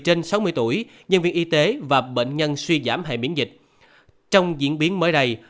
trên sáu mươi tuổi nhân viên y tế và bệnh nhân suy giảm hệ biến dịch trong diễn biến mới đây